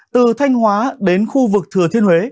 từ thanh hóa đến khu vực thừa thiên huế